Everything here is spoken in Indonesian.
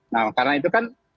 nah karena itu kan